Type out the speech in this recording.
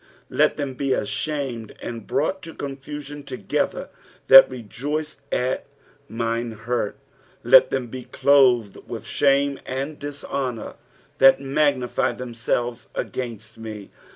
26 Let them be ashamed and brought to confusion together that rejoice at mine hurt : let them be clotlied with shame and dishonour that magnify tliemsclves against me.